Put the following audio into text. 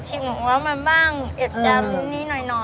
ไปชิมเหมือนว่ามันบ้างเป็นแบบนี้น่อยอือ